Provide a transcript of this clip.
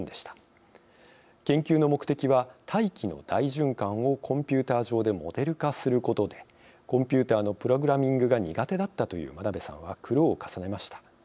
研究の目的は大気の大循環をコンピューター上でモデル化することでコンピューターのプログラミングが苦手だったという真鍋さんは苦労を重ねました。